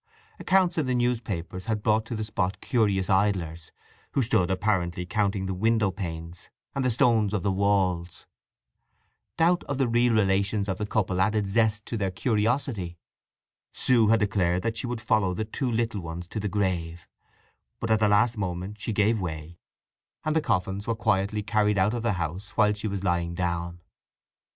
Accounts in the newspapers had brought to the spot curious idlers, who stood apparently counting the window panes and the stones of the walls. Doubt of the real relations of the couple added zest to their curiosity. Sue had declared that she would follow the two little ones to the grave, but at the last moment she gave way, and the coffins were quietly carried out of the house while she was lying down.